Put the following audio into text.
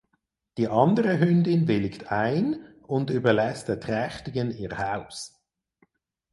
Die andere Hündin willigt ein und überlässt der Trächtigen ihr Haus.